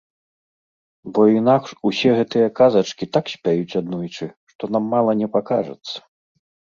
Бо інакш усе гэтыя казачкі так спяюць аднойчы, што нам мала не пакажацца.